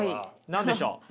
何でしょう？